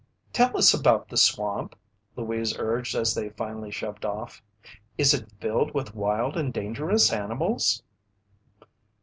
"Tell us about the swamp," Louise urged as they finally shoved off. "Is it filled with wild and dangerous animals?"